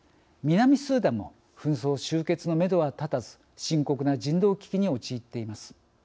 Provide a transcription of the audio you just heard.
南スーダンも紛争終結のめどは立たず深刻な人道危機に陥っています。